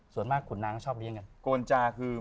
ส่วนมากคุณน้ำจะชอบเรียนกัน